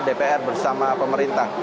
pembalasan dpr bersama pemerintah